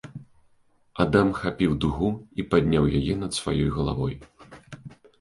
Адам хапіў дугу і падняў яе над сваёй галавой.